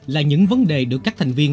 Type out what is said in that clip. là những vấn đề được các thành viên